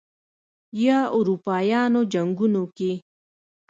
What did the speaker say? یا اروپايانو جنګونو کې